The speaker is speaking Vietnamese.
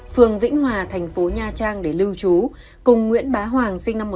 phường vĩnh hòa thành phố nha trang để lưu trú cùng nguyễn bá hoàng sinh năm một nghìn chín trăm chín mươi sáu